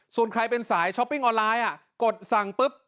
ส่วนใครเป็นสายช้อปปิ้งออนไลน์กดสั่งปุ๊บ